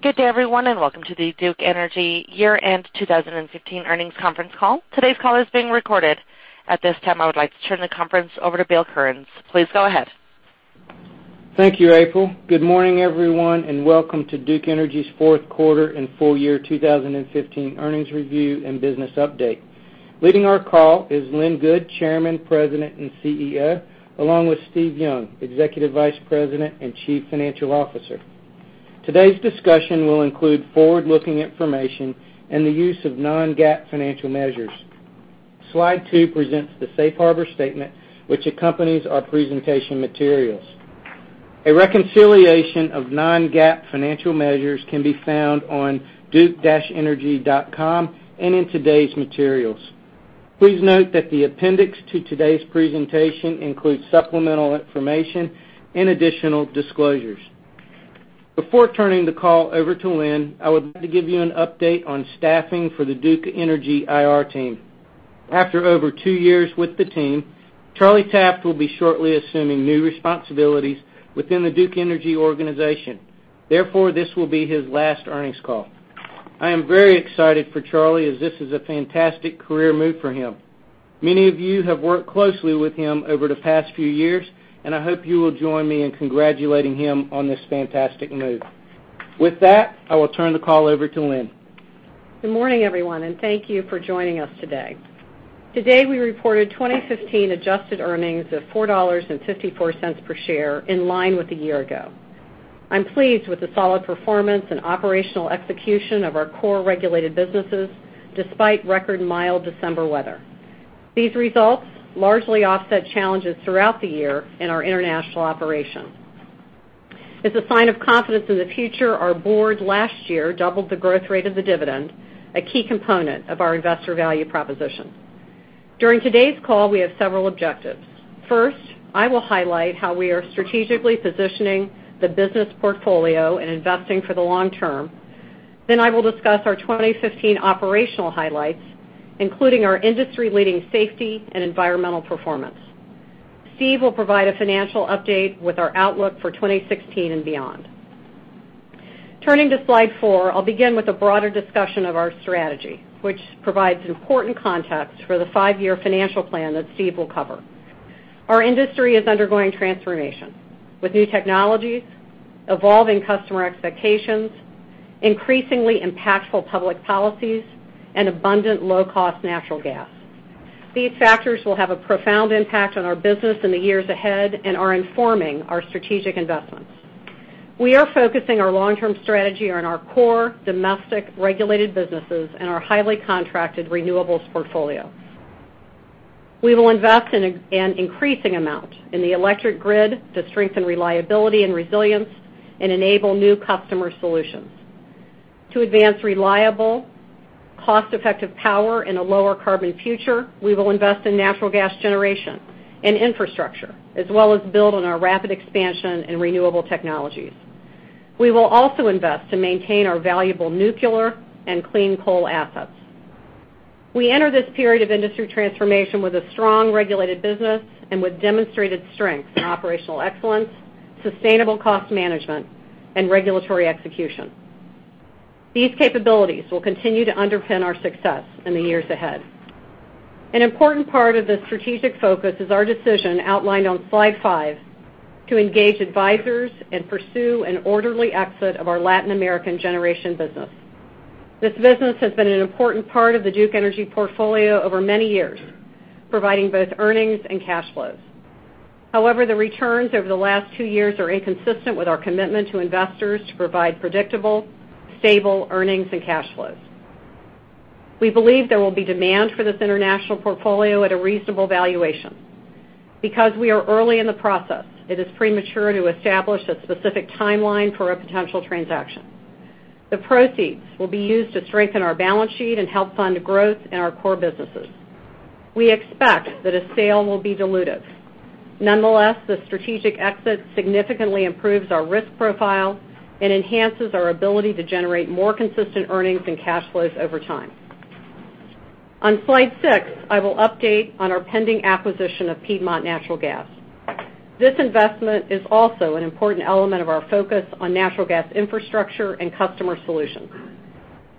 Good day, everyone, and welcome to the Duke Energy year-end 2015 earnings conference call. Today's call is being recorded. At this time, I would like to turn the conference over to Bill Currens. Please go ahead. Thank you, April. Good morning, everyone, and welcome to Duke Energy's fourth quarter and full year 2015 earnings review and business update. Leading our call is Lynn Good, Chairman, President, and CEO, along with Steve Young, Executive Vice President and Chief Financial Officer. Today's discussion will include forward-looking information and the use of non-GAAP financial measures. Slide two presents the safe harbor statement which accompanies our presentation materials. A reconciliation of non-GAAP financial measures can be found on duke-energy.com and in today's materials. Please note that the appendix to today's presentation includes supplemental information and additional disclosures. Before turning the call over to Lynn, I would like to give you an update on staffing for the Duke Energy IR team. After over two years with the team, Charlie Taft will be shortly assuming new responsibilities within the Duke Energy organization. Therefore, this will be his last earnings call. I am very excited for Charlie as this is a fantastic career move for him. Many of you have worked closely with him over the past few years, and I hope you will join me in congratulating him on this fantastic move. With that, I will turn the call over to Lynn. Good morning, everyone, and thank you for joining us today. Today, we reported 2015 adjusted earnings of $4.54 per share, in line with a year ago. I'm pleased with the solid performance and operational execution of our core regulated businesses, despite record mild December weather. These results largely offset challenges throughout the year in our international operations. As a sign of confidence in the future, our board last year doubled the growth rate of the dividend, a key component of our investor value proposition. During today's call, we have several objectives. First, I will highlight how we are strategically positioning the business portfolio and investing for the long term. I will discuss our 2015 operational highlights, including our industry-leading safety and environmental performance. Steve will provide a financial update with our outlook for 2016 and beyond. Turning to slide four, I'll begin with a broader discussion of our strategy, which provides important context for the five-year financial plan that Steve will cover. Our industry is undergoing transformation with new technologies, evolving customer expectations, increasingly impactful public policies, and abundant low-cost natural gas. These factors will have a profound impact on our business in the years ahead and are informing our strategic investments. We are focusing our long-term strategy on our core domestic regulated businesses and our highly contracted renewables portfolio. We will invest an increasing amount in the electric grid to strengthen reliability and resilience and enable new customer solutions. To advance reliable, cost-effective power in a lower carbon future, we will invest in natural gas generation and infrastructure, as well as build on our rapid expansion in renewable technologies. We will also invest to maintain our valuable nuclear and clean coal assets. We enter this period of industry transformation with a strong regulated business and with demonstrated strength in operational excellence, sustainable cost management, and regulatory execution. These capabilities will continue to underpin our success in the years ahead. An important part of this strategic focus is our decision, outlined on slide five, to engage advisors and pursue an orderly exit of our Latin American generation business. This business has been an important part of the Duke Energy portfolio over many years, providing both earnings and cash flows. However, the returns over the last two years are inconsistent with our commitment to investors to provide predictable, stable earnings and cash flows. We believe there will be demand for this international portfolio at a reasonable valuation. Because we are early in the process, it is premature to establish a specific timeline for a potential transaction. The proceeds will be used to strengthen our balance sheet and help fund growth in our core businesses. We expect that a sale will be dilutive. Nonetheless, the strategic exit significantly improves our risk profile and enhances our ability to generate more consistent earnings and cash flows over time. On slide six, I will update on our pending acquisition of Piedmont Natural Gas. This investment is also an important element of our focus on natural gas infrastructure and customer solutions.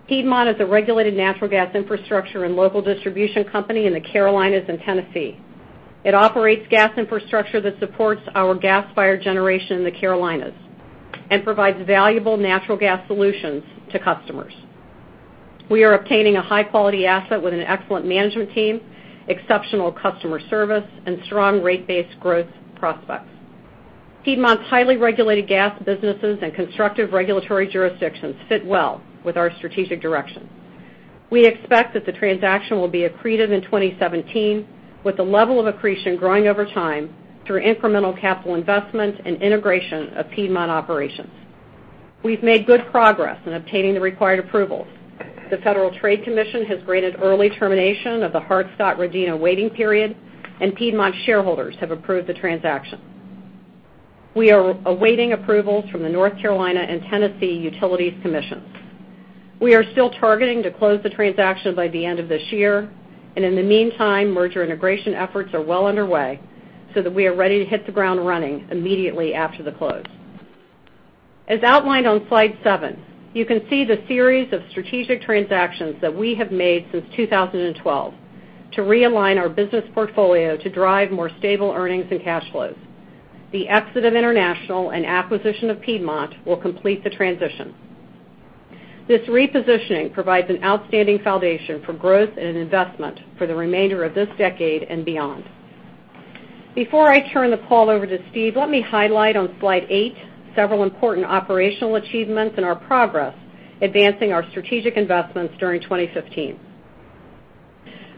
Piedmont is a regulated natural gas infrastructure and local distribution company in the Carolinas and Tennessee. It operates gas infrastructure that supports our gas-fired generation in the Carolinas and provides valuable natural gas solutions to customers. We are obtaining a high-quality asset with an excellent management team, exceptional customer service, and strong rate base growth prospects. Piedmont's highly regulated gas businesses and constructive regulatory jurisdictions fit well with our strategic direction. We expect that the transaction will be accretive in 2017, with the level of accretion growing over time through incremental capital investment and integration of Piedmont operations. We've made good progress in obtaining the required approvals. The Federal Trade Commission has granted early termination of the Hart-Scott-Rodino waiting period, and Piedmont shareholders have approved the transaction. We are awaiting approvals from the North Carolina and Tennessee Utilities Commissions. We are still targeting to close the transaction by the end of this year. In the meantime, merger integration efforts are well underway so that we are ready to hit the ground running immediately after the close. As outlined on slide seven, you can see the series of strategic transactions that we have made since 2012 to realign our business portfolio to drive more stable earnings and cash flows. The exit of international and acquisition of Piedmont will complete the transition. This repositioning provides an outstanding foundation for growth and investment for the remainder of this decade and beyond. Before I turn the call over to Steve, let me highlight on slide eight, several important operational achievements and our progress advancing our strategic investments during 2015.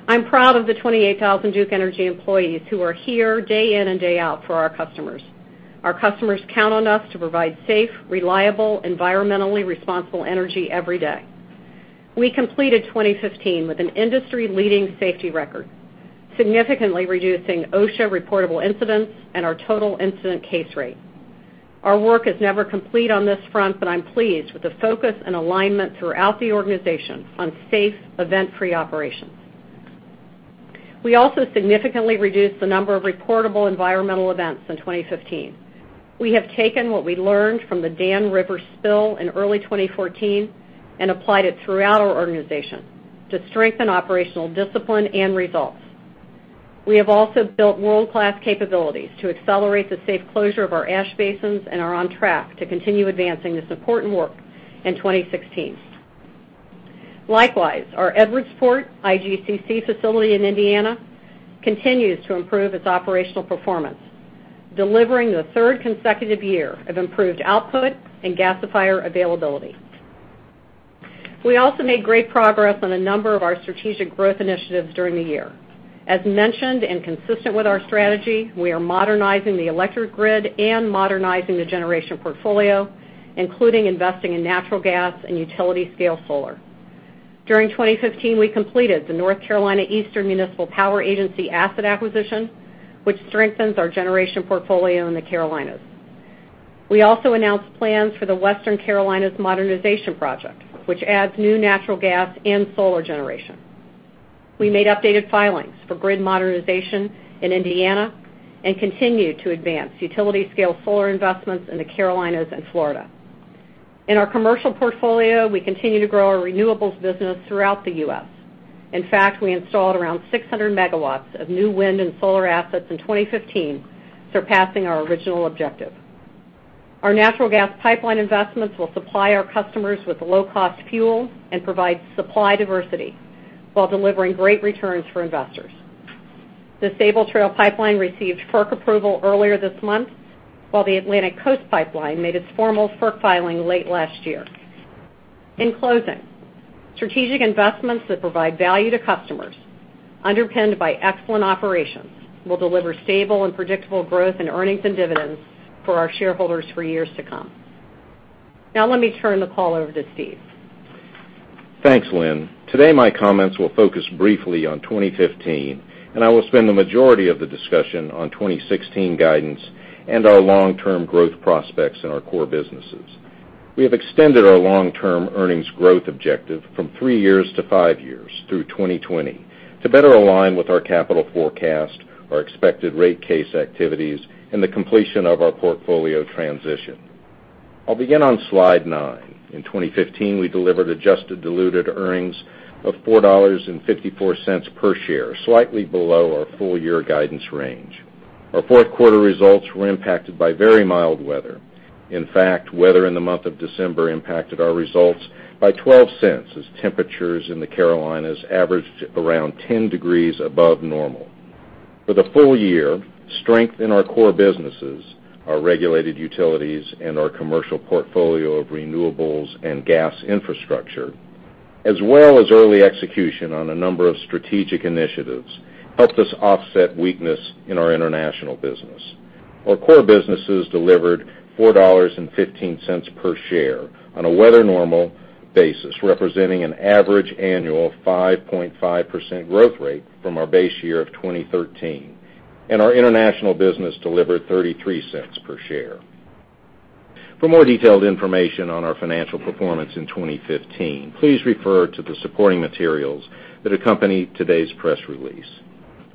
I'm proud of the 28,000 Duke Energy employees who are here day in and day out for our customers. Our customers count on us to provide safe, reliable, environmentally responsible energy every day. We completed 2015 with an industry-leading safety record, significantly reducing OSHA reportable incidents and our total incident case rate. Our work is never complete on this front. I'm pleased with the focus and alignment throughout the organization on safe event, free operations. We also significantly reduced the number of reportable environmental events in 2015. We have taken what we learned from the Dan River spill in early 2014 and applied it throughout our organization to strengthen operational discipline and results. We have also built world-class capabilities to accelerate the safe closure of our ash basins and are on track to continue advancing this important work in 2016. Likewise, our Edwardsport IGCC facility in Indiana continues to improve its operational performance, delivering the third consecutive year of improved output and gasifier availability. We also made great progress on a number of our strategic growth initiatives during the year. As mentioned, consistent with our strategy, we are modernizing the electric grid and modernizing the generation portfolio, including investing in natural gas and utility-scale solar. During 2015, we completed the North Carolina Eastern Municipal Power Agency asset acquisition, which strengthens our generation portfolio in the Carolinas. We also announced plans for the Western Carolinas Modernization Project, which adds new natural gas and solar generation. We made updated filings for grid modernization in Indiana and continue to advance utility-scale solar investments in the Carolinas and Florida. In our commercial portfolio, we continue to grow our renewables business throughout the U.S. In fact, we installed around 600 MW of new wind and solar assets in 2015, surpassing our original objective. Our natural gas pipeline investments will supply our customers with low-cost fuel and provide supply diversity while delivering great returns for investors. The Sabal Trail pipeline received FERC approval earlier this month, while the Atlantic Coast Pipeline made its formal FERC filing late last year. In closing, strategic investments that provide value to customers underpinned by excellent operations will deliver stable and predictable growth in earnings and dividends for our shareholders for years to come. Let me turn the call over to Steve. Thanks, Lynn Good. Today, my comments will focus briefly on 2015, I will spend the majority of the discussion on 2016 guidance and our long-term growth prospects in our core businesses. We have extended our long-term earnings growth objective from three years to five years through 2020 to better align with our capital forecast, our expected rate case activities, and the completion of our portfolio transition. I will begin on slide nine. In 2015, we delivered adjusted diluted earnings of $4.54 per share, slightly below our full-year guidance range. Our fourth quarter results were impacted by very mild weather. In fact, weather in the month of December impacted our results by $0.12, as temperatures in the Carolinas averaged around 10 degrees above normal. For the full year, strength in our core businesses, our regulated utilities, and our commercial portfolio of renewables and gas infrastructure, as well as early execution on a number of strategic initiatives, helped us offset weakness in our international business. Our core businesses delivered $4.15 per share on a weather normal basis, representing an average annual 5.5% growth rate from our base year of 2013. Our international business delivered $0.33 per share. For more detailed information on our financial performance in 2015, please refer to the supporting materials that accompany today's press release.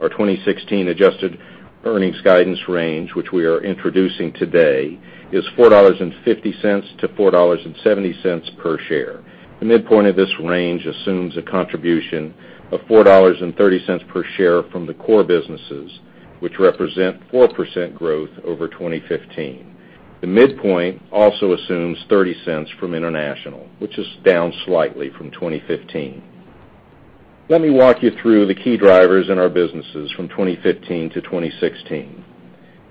Our 2016 adjusted earnings guidance range, which we are introducing today, is $4.50 to $4.70 per share. The midpoint of this range assumes a contribution of $4.30 per share from the core businesses, which represent 4% growth over 2015. The midpoint also assumes $0.30 from international, which is down slightly from 2015. Let me walk you through the key drivers in our businesses from 2015 to 2016.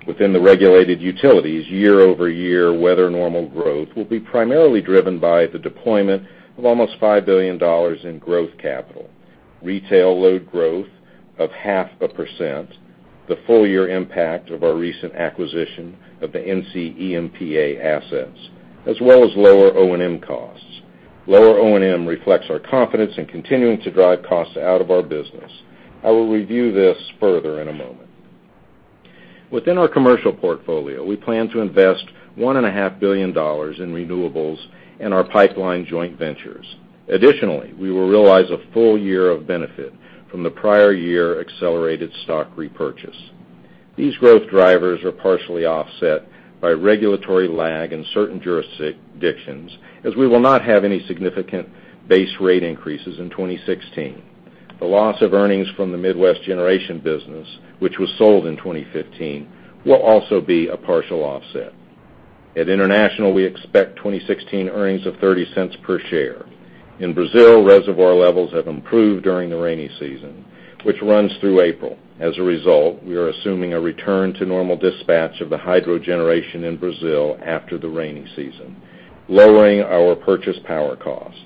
Within the regulated utilities, year-over-year weather normal growth will be primarily driven by the deployment of almost $5 billion in growth capital, retail load growth of half a percent, the full-year impact of our recent acquisition of the NCEMPA assets, as well as lower O&M costs. Lower O&M reflects our confidence in continuing to drive costs out of our business. I will review this further in a moment. Within our commercial portfolio, we plan to invest $1.5 billion in renewables and our pipeline joint ventures. Additionally, we will realize a full year of benefit from the prior year accelerated stock repurchase. These growth drivers are partially offset by regulatory lag in certain jurisdictions, as we will not have any significant base rate increases in 2016. The loss of earnings from the Midwest Generation Business, which was sold in 2015, will also be a partial offset. At International, we expect 2016 earnings of $0.30 per share. In Brazil, reservoir levels have improved during the rainy season, which runs through April. As a result, we are assuming a return to normal dispatch of the hydro generation in Brazil after the rainy season, lowering our purchase power cost.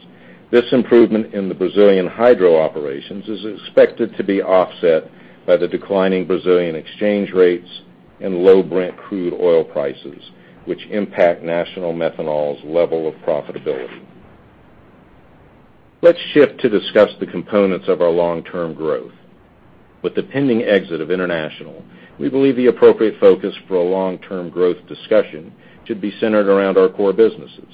This improvement in the Brazilian hydro operations is expected to be offset by the declining Brazilian exchange rates and low Brent crude oil prices, which impact National Methanol's level of profitability. Let's shift to discuss the components of our long-term growth. With the pending exit of International, we believe the appropriate focus for a long-term growth discussion should be centered around our core businesses.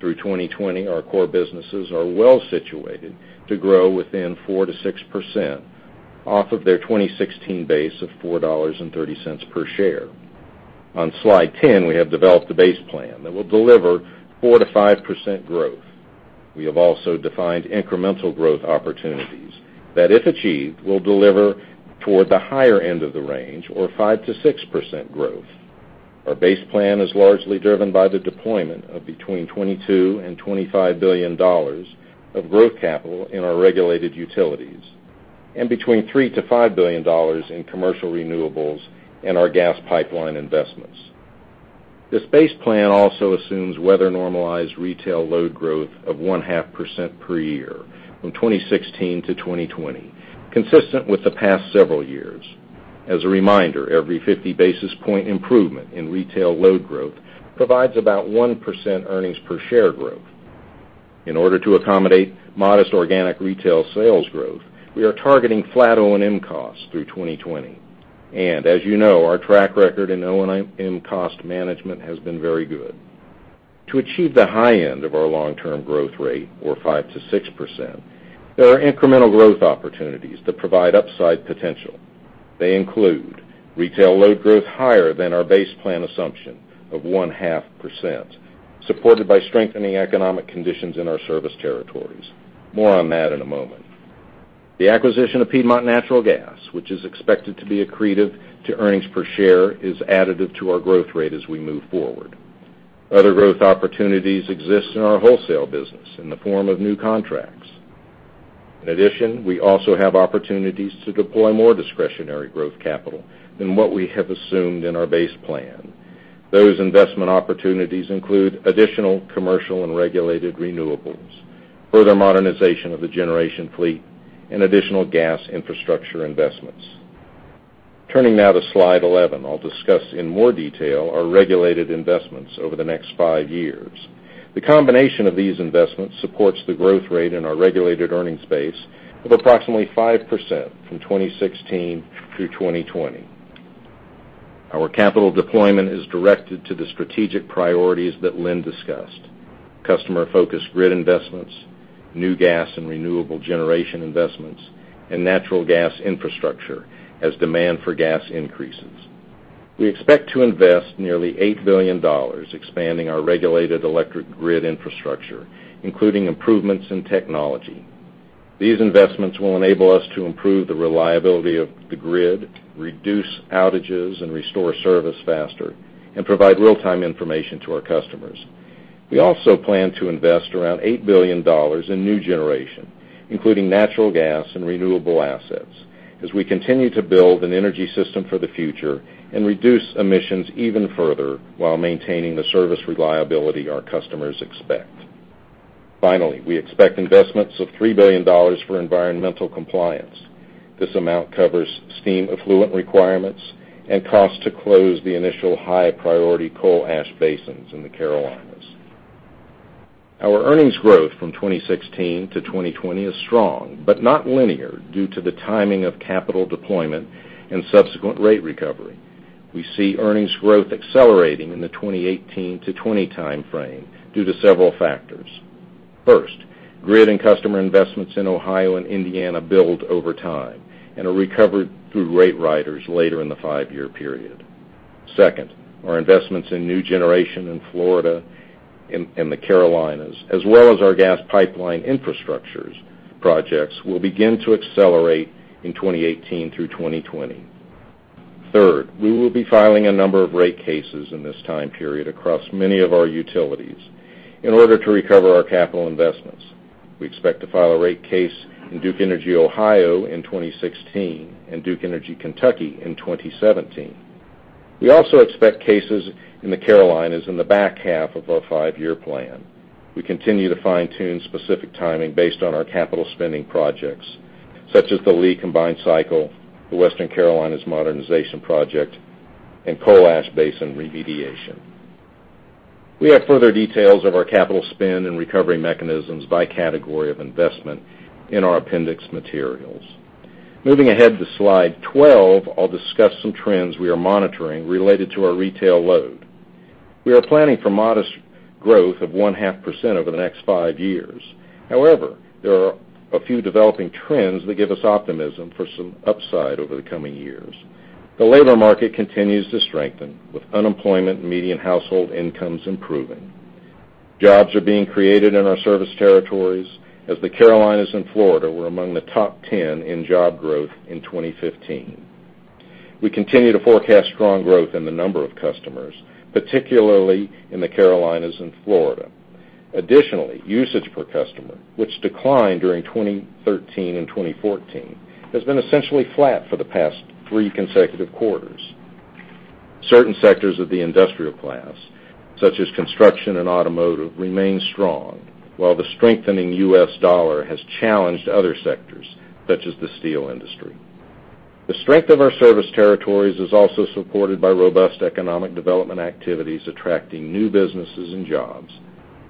Through 2020, our core businesses are well-situated to grow within 4%-6% off of their 2016 base of $4.30 per share. On slide 10, we have developed a base plan that will deliver 4%-5% growth. We have also defined incremental growth opportunities that, if achieved, will deliver toward the higher end of the range or 5%-6% growth. Our base plan is largely driven by the deployment of between $22 billion and $25 billion of growth capital in our regulated utilities and between $3 billion-$5 billion in commercial renewables and our gas pipeline investments. This base plan also assumes weather-normalized retail load growth of 0.5% per year from 2016-2020, consistent with the past several years. As a reminder, every 50 basis point improvement in retail load growth provides about 1% earnings per share growth. In order to accommodate modest organic retail sales growth, we are targeting flat O&M costs through 2020. As you know, our track record in O&M cost management has been very good. To achieve the high end of our long-term growth rate or 5%-6%, there are incremental growth opportunities that provide upside potential. They include retail load growth higher than our base plan assumption of 0.5%, supported by strengthening economic conditions in our service territories. More on that in a moment. The acquisition of Piedmont Natural Gas, which is expected to be accretive to earnings per share, is additive to our growth rate as we move forward. Other growth opportunities exist in our wholesale business in the form of new contracts. We also have opportunities to deploy more discretionary growth capital than what we have assumed in our base plan. Those investment opportunities include additional commercial and regulated renewables, further modernization of the generation fleet, and additional gas infrastructure investments. Turning now to slide 11, I will discuss in more detail our regulated investments over the next five years. The combination of these investments supports the growth rate in our regulated earnings base of approximately 5% from 2016-2020. Our capital deployment is directed to the strategic priorities that Lynn discussed: customer-focused grid investments, new gas and renewable generation investments, and natural gas infrastructure as demand for gas increases. We expect to invest nearly $8 billion expanding our regulated electric grid infrastructure, including improvements in technology. These investments will enable us to improve the reliability of the grid, reduce outages and restore service faster, and provide real-time information to our customers. We also plan to invest around $8 billion in new generation, including natural gas and renewable assets, as we continue to build an energy system for the future and reduce emissions even further while maintaining the service reliability our customers expect. Finally, we expect investments of $3 billion for environmental compliance. This amount covers steam effluent requirements and cost to close the initial high-priority coal ash basins in the Carolinas. Our earnings growth from 2016-2020 is strong but not linear due to the timing of capital deployment and subsequent rate recovery. We see earnings growth accelerating in the 2018-2020 timeframe due to several factors. First, grid and customer investments in Ohio and Indiana build over time and are recovered through rate riders later in the five-year period. Second, our investments in new generation in Florida and the Carolinas, as well as our gas pipeline infrastructures projects, will begin to accelerate in 2018 through 2020. Third, we will be filing a number of rate cases in this time period across many of our utilities in order to recover our capital investments. We expect to file a rate case in Duke Energy Ohio in 2016 and Duke Energy Kentucky in 2017. We also expect cases in the Carolinas in the back half of our five-year plan. We continue to fine-tune specific timing based on our capital spending projects, such as the Lee Combined Cycle, the Western Carolinas Modernization Project, and coal ash basin remediation. We have further details of our capital spend and recovery mechanisms by category of investment in our appendix materials. Moving ahead to slide 12, I'll discuss some trends we are monitoring related to our retail load. We are planning for modest growth of 0.5% over the next five years. However, there are a few developing trends that give us optimism for some upside over the coming years. The labor market continues to strengthen, with unemployment and median household incomes improving. Jobs are being created in our service territories, as the Carolinas and Florida were among the top 10 in job growth in 2015. We continue to forecast strong growth in the number of customers, particularly in the Carolinas and Florida. Additionally, usage per customer, which declined during 2013 and 2014, has been essentially flat for the past three consecutive quarters. Certain sectors of the industrial class, such as construction and automotive, remain strong, while the strengthening U.S. dollar has challenged other sectors, such as the steel industry. The strength of our service territories is also supported by robust economic development activities attracting new businesses and jobs.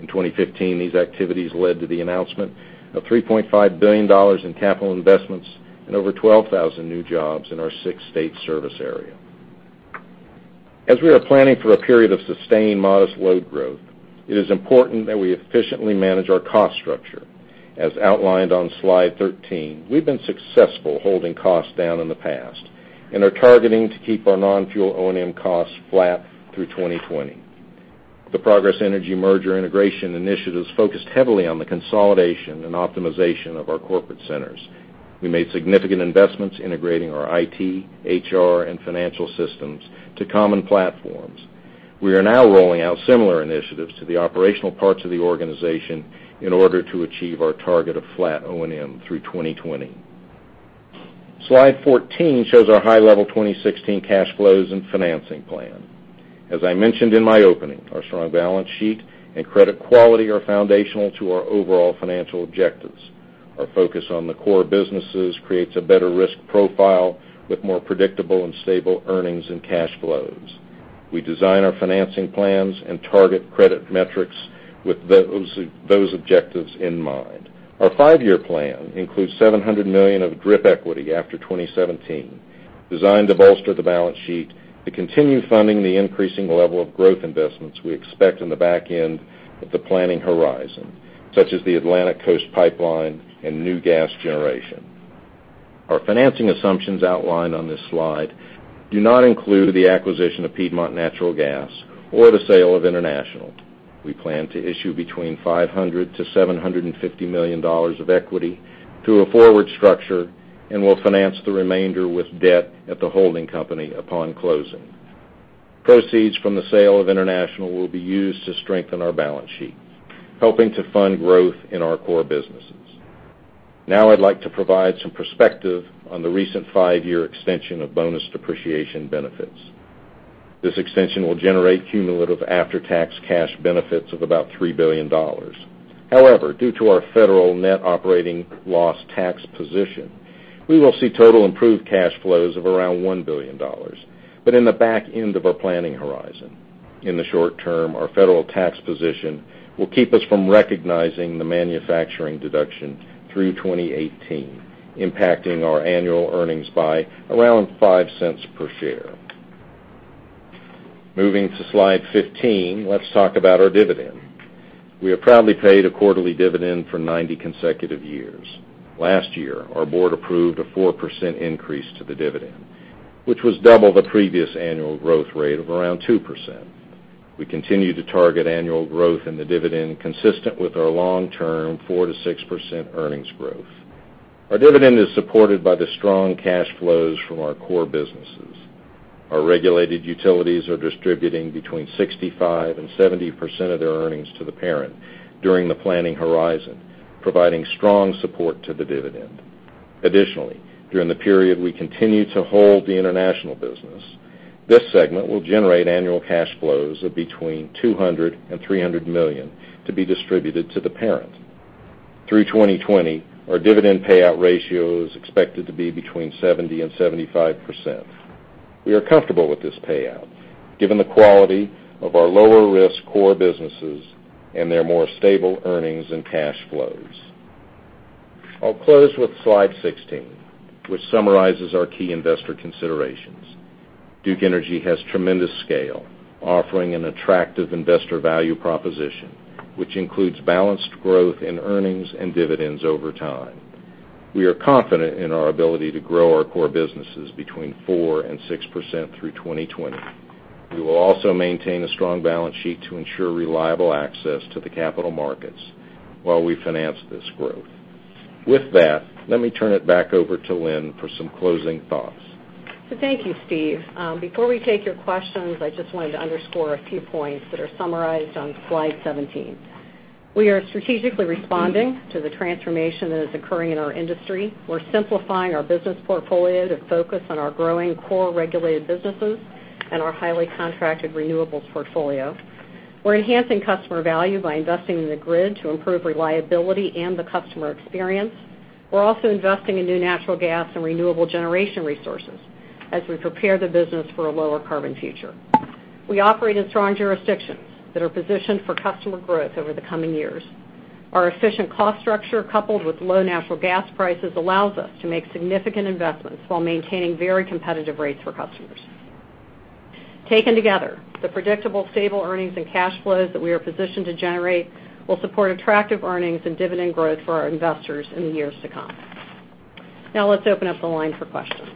In 2015, these activities led to the announcement of $3.5 billion in capital investments and over 12,000 new jobs in our six-state service area. As we are planning for a period of sustained modest load growth, it is important that we efficiently manage our cost structure. As outlined on slide 13, we've been successful holding costs down in the past and are targeting to keep our non-fuel O&M costs flat through 2020. The Progress Energy merger integration initiatives focused heavily on the consolidation and optimization of our corporate centers. We made significant investments integrating our IT, HR, and financial systems to common platforms. We are now rolling out similar initiatives to the operational parts of the organization in order to achieve our target of flat O&M through 2020. Slide 14 shows our high-level 2016 cash flows and financing plan. As I mentioned in my opening, our strong balance sheet and credit quality are foundational to our overall financial objectives. Our focus on the core businesses creates a better risk profile with more predictable and stable earnings and cash flows. We design our financing plans and target credit metrics with those objectives in mind. Our five-year plan includes $700 million of DRIP equity after 2017, designed to bolster the balance sheet to continue funding the increasing level of growth investments we expect in the back end of the planning horizon, such as the Atlantic Coast Pipeline and new gas generation. Our financing assumptions outlined on this slide do not include the acquisition of Piedmont Natural Gas or the sale of International. We plan to issue between $500 million-$750 million of equity through a forward structure and will finance the remainder with debt at the holding company upon closing. Proceeds from the sale of International will be used to strengthen our balance sheet, helping to fund growth in our core businesses. Now I'd like to provide some perspective on the recent five-year extension of bonus depreciation benefits. This extension will generate cumulative after-tax cash benefits of about $3 billion. However, due to our federal net operating loss tax position, we will see total improved cash flows of around $1 billion, but in the back end of our planning horizon. In the short term, our federal tax position will keep us from recognizing the manufacturing deduction through 2018, impacting our annual earnings by around $0.05 per share. Moving to slide 15, let's talk about our dividend. We have proudly paid a quarterly dividend for 90 consecutive years. Last year, our board approved a 4% increase to the dividend, which was double the previous annual growth rate of around 2%. We continue to target annual growth in the dividend consistent with our long-term 4%-6% earnings growth. Our dividend is supported by the strong cash flows from our core businesses. Our regulated utilities are distributing between 65%-70% of their earnings to the parent during the planning horizon, providing strong support to the dividend. Additionally, during the period we continue to hold the international business, this segment will generate annual cash flows of between $200 million-$300 million to be distributed to the parent. Through 2020, our dividend payout ratio is expected to be between 70%-75%. We are comfortable with this payout given the quality of our lower-risk core businesses and their more stable earnings and cash flows. I'll close with slide 16, which summarizes our key investor considerations. Duke Energy has tremendous scale, offering an attractive investor value proposition, which includes balanced growth in earnings and dividends over time. We are confident in our ability to grow our core businesses between 4%-6% through 2020. We will also maintain a strong balance sheet to ensure reliable access to the capital markets while we finance this growth. With that, let me turn it back over to Lynn for some closing thoughts. Thank you, Steve. Before we take your questions, I just wanted to underscore a few points that are summarized on slide 17. We are strategically responding to the transformation that is occurring in our industry. We're simplifying our business portfolio to focus on our growing core regulated businesses and our highly contracted renewables portfolio. We're enhancing customer value by investing in the grid to improve reliability and the customer experience. We're also investing in new natural gas and renewable generation resources. as we prepare the business for a lower carbon future. We operate in strong jurisdictions that are positioned for customer growth over the coming years. Our efficient cost structure, coupled with low natural gas prices, allows us to make significant investments while maintaining very competitive rates for customers. Taken together, the predictable stable earnings and cash flows that we are positioned to generate will support attractive earnings and dividend growth for our investors in the years to come. Now let's open up the line for questions.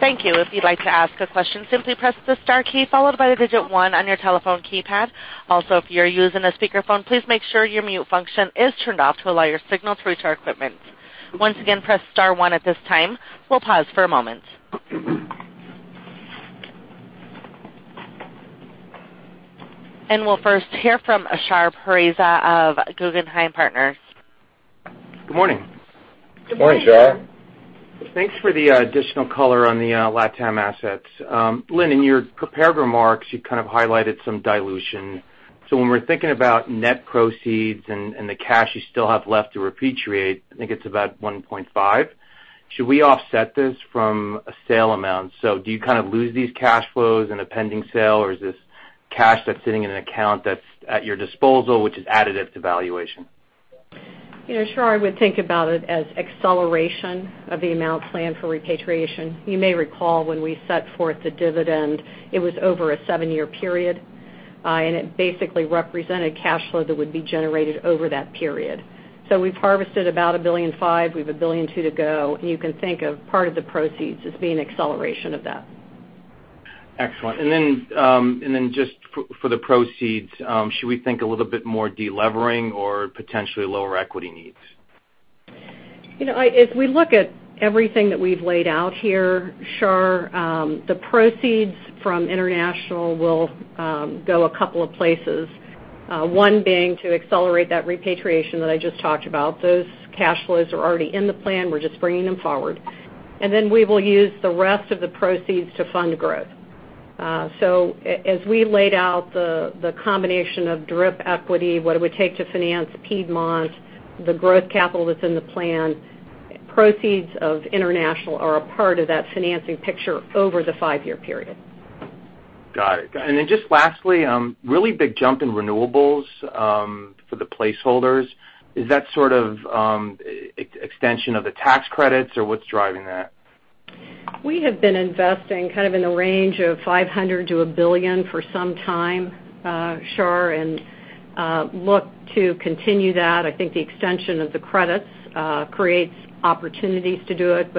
Thank you. If you'd like to ask a question, simply press the star key followed by the digit 1 on your telephone keypad. Also, if you're using a speakerphone, please make sure your mute function is turned off to allow your signal to reach our equipment. Once again, press star 1 at this time. We'll pause for a moment. We'll first hear from Shar Pourreza of Guggenheim Partners. Good morning. Good morning. Good morning. Thanks for the additional color on the LatAm assets. Lynn Good, in your prepared remarks, you highlighted some dilution. When we're thinking about net proceeds and the cash you still have left to repatriate, I think it's about $1.5 billion. Should we offset this from a sale amount? Do you lose these cash flows in a pending sale, or is this cash that's sitting in an account that's at your disposal, which is additive to valuation? Shar Pourreza, I would think about it as acceleration of the amount planned for repatriation. You may recall when we set forth the dividend, it was over a seven-year period, and it basically represented cash flow that would be generated over that period. We've harvested about $1.5 billion. We've $1.2 billion to go, and you can think of part of the proceeds as being acceleration of that. Excellent. Just for the proceeds, should we think a little bit more de-levering or potentially lower equity needs? If we look at everything that we've laid out here, Shar, the proceeds from international will go a couple of places. One being to accelerate that repatriation that I just talked about. Those cash flows are already in the plan. We're just bringing them forward. We will use the rest of the proceeds to fund growth. As we laid out the combination of DRIP equity, what it would take to finance Piedmont, the growth capital that's in the plan, proceeds of international are a part of that financing picture over the five-year period. Got it. Just lastly, really big jump in renewables for the placeholders. Is that extension of the tax credits, or what's driving that? We have been investing in the range of $500 to $1 billion for some time, Shar, and look to continue that. I think the extension of the credits creates opportunities to do it,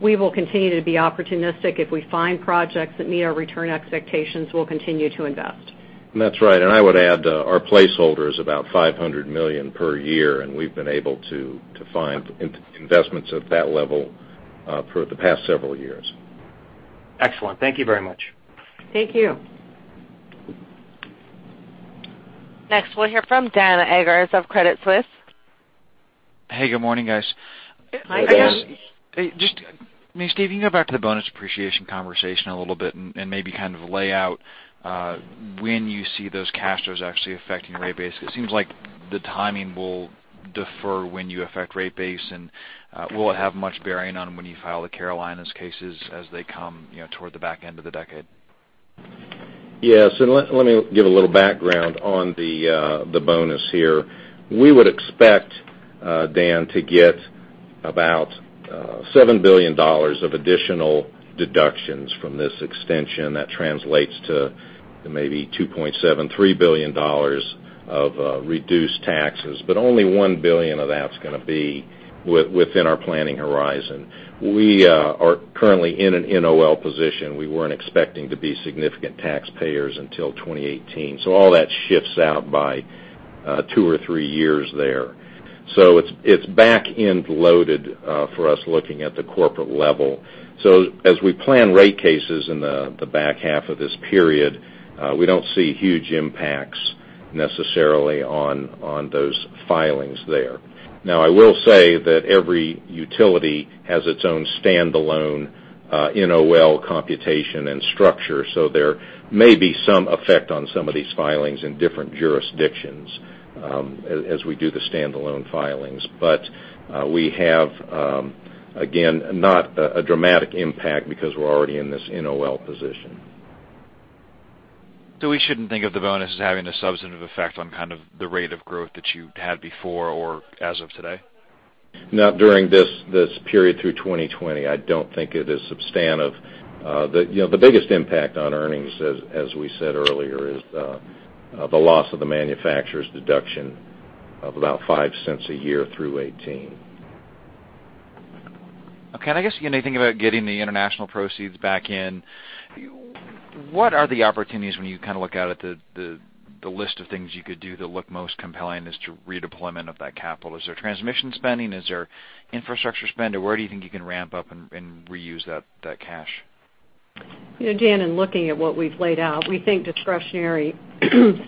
we will continue to be opportunistic. If we find projects that meet our return expectations, we'll continue to invest. That's right. I would add our placeholder is about $500 million per year, and we've been able to find investments at that level for the past several years. Excellent. Thank you very much. Thank you. Next, we'll hear from Dan Eggers of Credit Suisse. Hey, good morning, guys. Hi, Dan. Just, Steve, can you go back to the bonus depreciation conversation a little bit and maybe lay out when you see those cash flows actually affecting rate base? It seems like the timing will defer when you affect rate base and will it have much bearing on when you file the Carolinas cases as they come toward the back end of the decade? Yes. Let me give a little background on the bonus here. We would expect, Dan, to get about $7 billion of additional deductions from this extension. That translates to maybe $2.73 billion of reduced taxes, but only $1 billion of that's going to be within our planning horizon. We are currently in an NOL position. We weren't expecting to be significant taxpayers until 2018. All that shifts out by two or three years there. It's back-end loaded for us looking at the corporate level. As we plan rate cases in the back half of this period, we don't see huge impacts necessarily on those filings there. I will say that every utility has its own standalone NOL computation and structure, so there may be some effect on some of these filings in different jurisdictions as we do the standalone filings. We have, again, not a dramatic impact because we're already in this NOL position. We shouldn't think of the bonus as having a substantive effect on the rate of growth that you had before or as of today? Not during this period through 2020. I don't think it is substantive. The biggest impact on earnings, as we said earlier, is the loss of the manufacturer's deduction of about $0.05 a year through 2018. Okay. I guess anything about getting the international proceeds back in, what are the opportunities when you look out at the list of things you could do that look most compelling as to redeployment of that capital? Is there transmission spending? Is there infrastructure spend, or where do you think you can ramp up and reuse that cash? Dan, in looking at what we've laid out, we think discretionary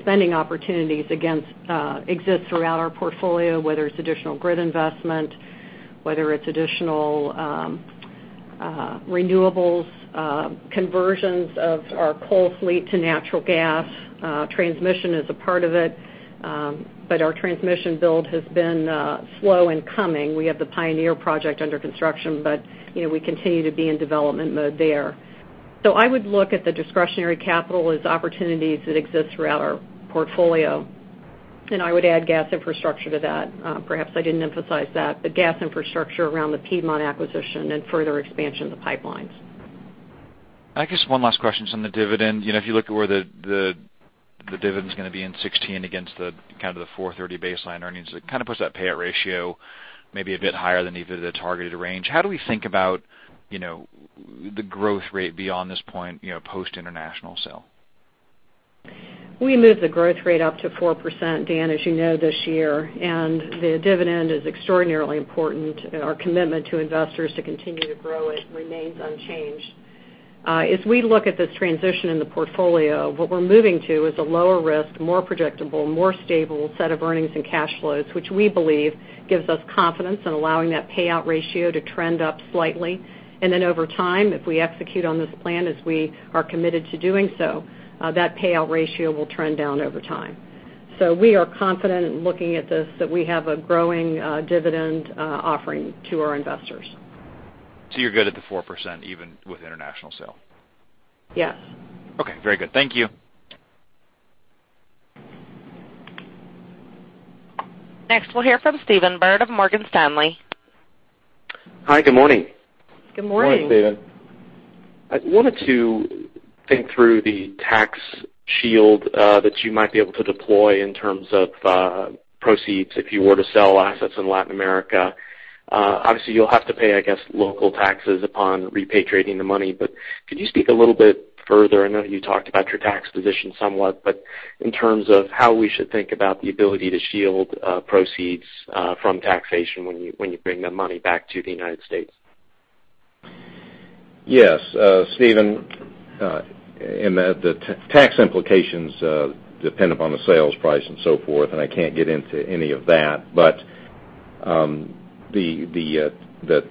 spending opportunities exist throughout our portfolio, whether it's additional grid investment, whether it's additional renewables, conversions of our coal fleet to natural gas. Transmission is a part of it, but our transmission build has been slow in coming. We have the Pioneer project under construction, but we continue to be in development mode there. I would look at the discretionary capital as opportunities that exist throughout our portfolio, and I would add gas infrastructure to that. Perhaps I didn't emphasize that, but gas infrastructure around the Piedmont acquisition and further expansion of the pipelines. I guess one last question is on the dividend. If you look at where the dividend's going to be in 2016 against the kind of the $4.30 baseline earnings, it kind of puts that payout ratio maybe a bit higher than even the targeted range. How do we think about the growth rate beyond this point, post international sale? We moved the growth rate up to 4%, Dan, as you know, this year. The dividend is extraordinarily important, and our commitment to investors to continue to grow it remains unchanged. As we look at this transition in the portfolio, what we're moving to is a lower risk, more predictable, more stable set of earnings and cash flows, which we believe gives us confidence in allowing that payout ratio to trend up slightly. Over time, if we execute on this plan as we are committed to doing so, that payout ratio will trend down over time. We are confident in looking at this, that we have a growing dividend offering to our investors. You're good at the 4%, even with international sale? Yes. Okay. Very good. Thank you. Next, we'll hear from Stephen Byrd of Morgan Stanley. Hi. Good morning. Good morning. Good morning, Stephen. I wanted to think through the tax shield that you might be able to deploy in terms of proceeds if you were to sell assets in Latin America. Obviously, you'll have to pay, I guess, local taxes upon repatriating the money. Could you speak a little bit further? I know you talked about your tax position somewhat, but in terms of how we should think about the ability to shield proceeds from taxation when you bring the money back to the U.S. Yes. Stephen, in the tax implications, dependent upon the sales price and so forth, I can't get into any of that. The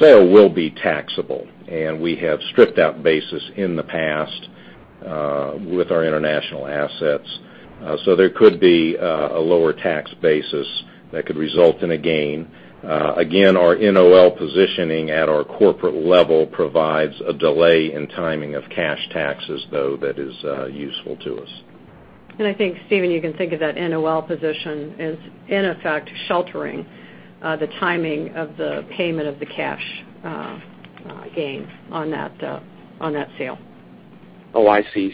sale will be taxable, and we have stripped out basis in the past with our international assets. There could be a lower tax basis that could result in a gain. Again, our NOL positioning at our corporate level provides a delay in timing of cash taxes, though that is useful to us. I think, Stephen, you can think of that NOL position as, in effect, sheltering the timing of the payment of the cash gain on that sale. Oh, I see.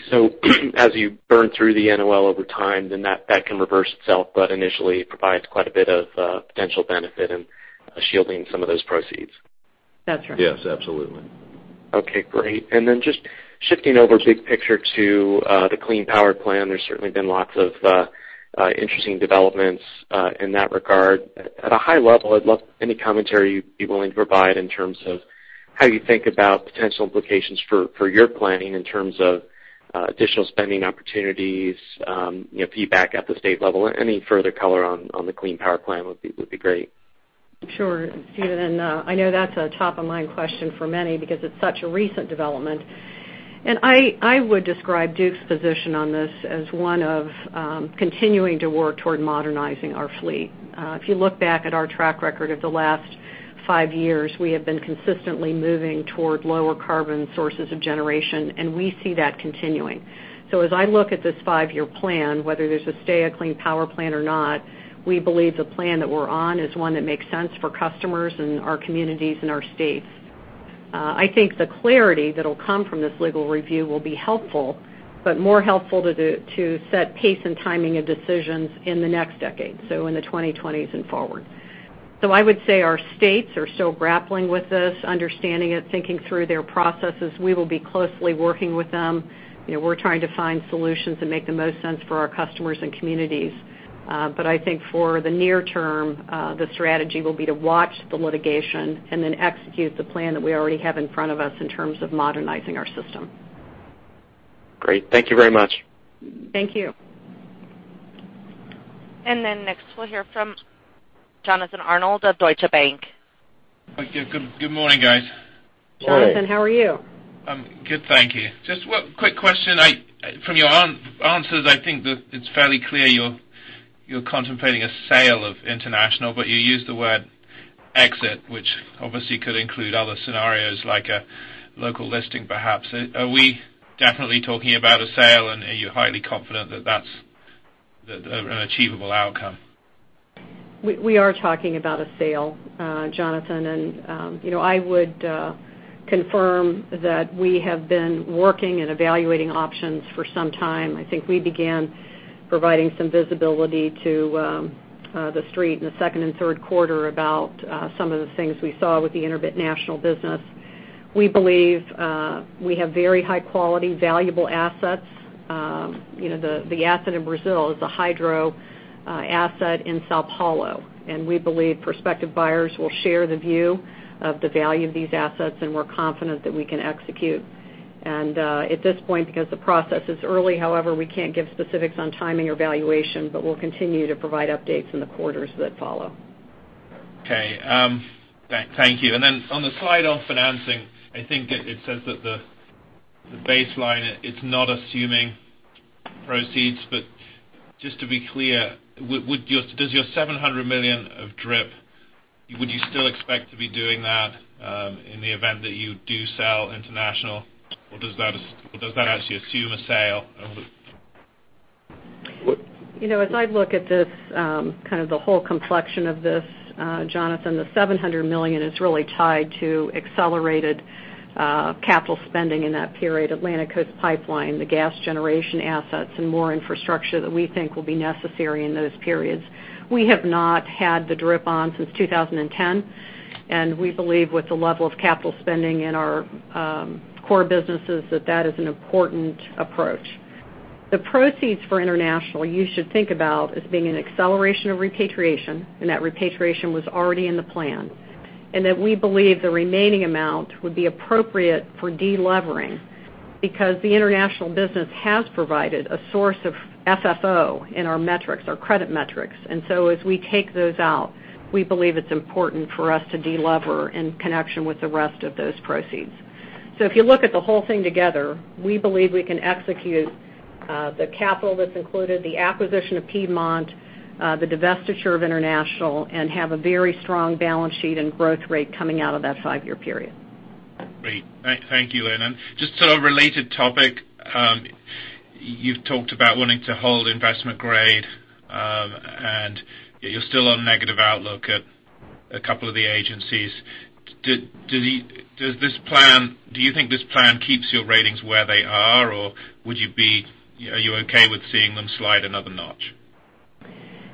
As you burn through the NOL over time, that can reverse itself, but initially it provides quite a bit of potential benefit in shielding some of those proceeds. That's right. Yes, absolutely. Okay, great. Then just shifting over big picture to the Clean Power Plan. There's certainly been lots of interesting developments in that regard. At a high level, I'd love any commentary you'd be willing to provide in terms of how you think about potential implications for your planning in terms of additional spending opportunities, feedback at the state level. Any further color on the Clean Power Plan would be great. Sure, Stephen. I know that's a top-of-mind question for many because it's such a recent development. I would describe Duke's position on this as one of continuing to work toward modernizing our fleet. If you look back at our track record of the last five years, we have been consistently moving toward lower carbon sources of generation, and we see that continuing. As I look at this five-year plan, whether there's a stay of Clean Power Plan or not, we believe the plan that we're on is one that makes sense for customers and our communities and our states. I think the clarity that'll come from this legal review will be helpful, but more helpful to set pace and timing of decisions in the next decade, so in the 2020s and forward. I would say our states are still grappling with this, understanding it, thinking through their processes. We will be closely working with them. We're trying to find solutions that make the most sense for our customers and communities. I think for the near term, the strategy will be to watch the litigation and then execute the plan that we already have in front of us in terms of modernizing our system. Great. Thank you very much. Thank you. Next we'll hear from Jonathan Arnold of Deutsche Bank. Good morning, guys. Jonathan, how are you? I'm good, thank you. Just one quick question. From your answers, I think that it's fairly clear you're contemplating a sale of International Business, you used the word exit, which obviously could include other scenarios like a local listing perhaps. Are we definitely talking about a sale, and are you highly confident that that's an achievable outcome? We are talking about a sale, Jonathan, I would confirm that we have been working and evaluating options for some time. I think we began providing some visibility to the street in the second and third quarter about some of the things we saw with the International Business. We believe we have very high-quality, valuable assets. The asset in Brazil is a hydro asset in São Paulo, we believe prospective buyers will share the view of the value of these assets, and we're confident that we can execute. At this point, because the process is early, however, we can't give specifics on timing or valuation, but we'll continue to provide updates in the quarters that follow. Okay. Thank you. On the slide on financing, I think it says that the baseline, it's not assuming proceeds. Just to be clear, does your $700 million of DRIP, would you still expect to be doing that in the event that you do sell international? Does that actually assume a sale? As I look at this, the whole complexion of this, Jonathan, the $700 million is really tied to accelerated capital spending in that period, Atlantic Coast Pipeline, the gas generation assets and more infrastructure that we think will be necessary in those periods. We have not had the DRIP on since 2010, we believe with the level of capital spending in our core businesses, that that is an important approach. The proceeds for international, you should think about as being an acceleration of repatriation, and that repatriation was already in the plan. We believe the remaining amount would be appropriate for de-levering, because the international business has provided a source of FFO in our metrics, our credit metrics. As we take those out, we believe it's important for us to de-lever in connection with the rest of those proceeds. If you look at the whole thing together, we believe we can execute the capital that's included, the acquisition of Piedmont, the divestiture of international, and have a very strong balance sheet and growth rate coming out of that five-year period. Great. Thank you, Lynn. Just sort of related topic. You've talked about wanting to hold investment grade, you're still on negative outlook at a couple of the agencies. Do you think this plan keeps your ratings where they are, or are you okay with seeing them slide another notch?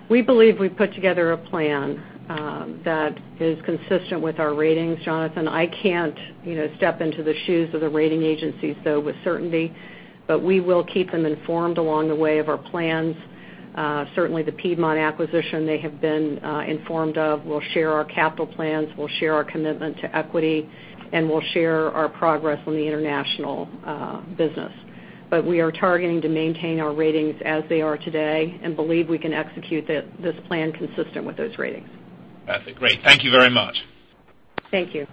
We believe we've put together a plan that is consistent with our ratings, Jonathan. I can't step into the shoes of the rating agencies, though, with certainty. We will keep them informed along the way of our plans. Certainly the Piedmont acquisition they have been informed of. We'll share our capital plans, we'll share our commitment to equity, and we'll share our progress on the international business. We are targeting to maintain our ratings as they are today and believe we can execute this plan consistent with those ratings. That's great. Thank you very much. Thank you.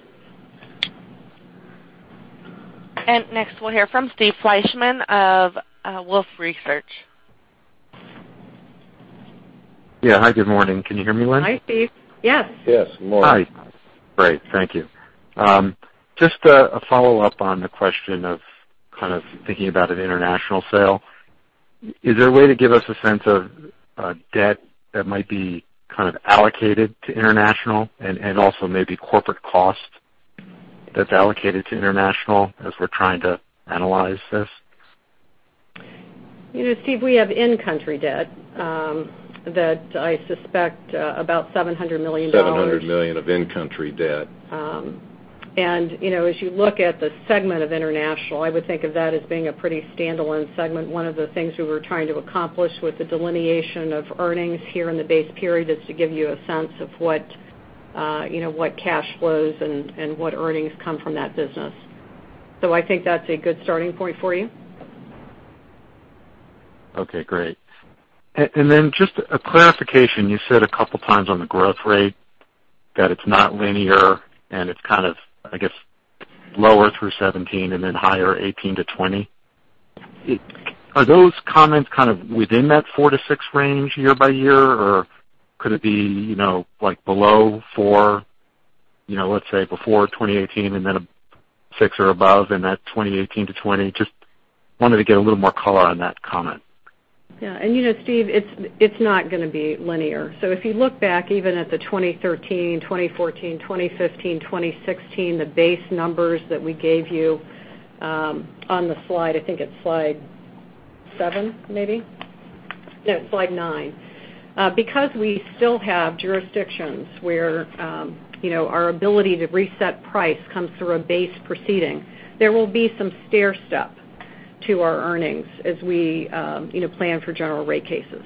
Next we'll hear from Steve Fleishman of Wolfe Research. Yeah. Hi, good morning. Can you hear me, Lynn? Hi, Steve. Yes. Yes. Morning. Hi. Great, thank you. Just a follow-up on the question of thinking about an international sale. Is there a way to give us a sense of debt that might be allocated to international and also maybe corporate cost that's allocated to international as we're trying to analyze this? Steve, we have in-country debt that I suspect about $700 million. $700 million of in-country debt. As you look at the segment of international, I would think of that as being a pretty standalone segment. One of the things we were trying to accomplish with the delineation of earnings here in the base period is to give you a sense of what cash flows and what earnings come from that business. I think that's a good starting point for you. Okay, great. Just a clarification. You said a couple of times on the growth rate that it's not linear and it's kind of, I guess, lower through 2017 and then higher 2018 to 2020. Are those comments kind of within that 4-6 range year by year, or could it be below 4, let's say before 2018 and then a 6 or above in that 2018 to 2020? Just wanted to get a little more color on that comment. Steve, it's not going to be linear. If you look back even at the 2013, 2014, 2015, 2016, the base numbers that we gave you on the slide, I think it's slide seven, maybe. No, it's slide nine. Because we still have jurisdictions where our ability to reset price comes through a base proceeding, there will be some stairstep to our earnings as we plan for general rate cases.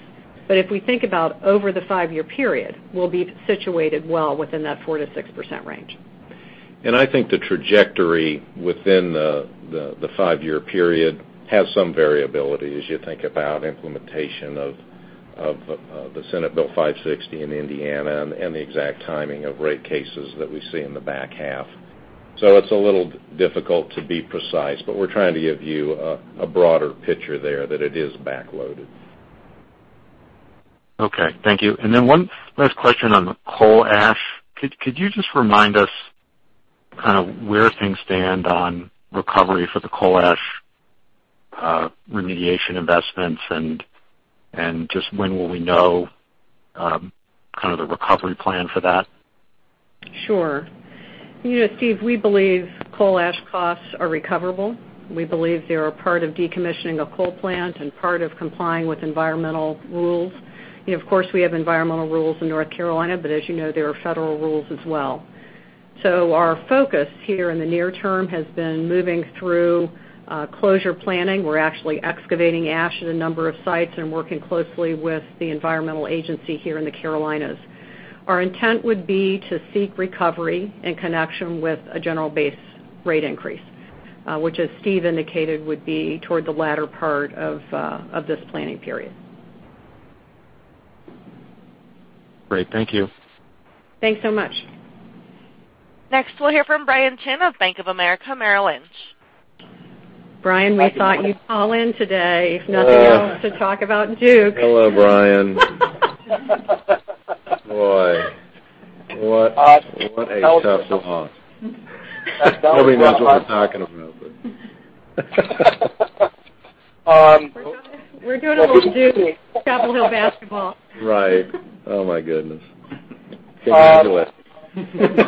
If we think about over the five-year period, we'll be situated well within that 4%-6% range. I think the trajectory within the five-year period has some variability as you think about implementation of the Senate Bill 560 in Indiana and the exact timing of rate cases that we see in the back half. It's a little difficult to be precise, but we're trying to give you a broader picture there that it is back-loaded. Okay. Thank you. One last question on the coal ash. Could you just remind us where things stand on recovery for the coal ash remediation investments and just when will we know the recovery plan for that? Sure. Steve, we believe coal ash costs are recoverable. We believe they are part of decommissioning a coal plant and part of complying with environmental rules. Of course, we have environmental rules in North Carolina, but as you know, there are federal rules as well. Our focus here in the near term has been moving through closure planning. We're actually excavating ash at a number of sites and working closely with the environmental agency here in the Carolinas. Our intent would be to seek recovery in connection with a general base rate increase, which as Steve indicated, would be toward the latter part of this planning period. Great. Thank you. Thanks so much. Next, we'll hear from Brian Chin of Bank of America Merrill Lynch. Brian, we thought you'd call in today, if nothing else, to talk about Duke. Hello, Brian. Boy, what a tough loss. Everybody knows what we're talking about. We're doing a little Duke, Chapel Hill basketball. Right. Oh my goodness. Can't handle it.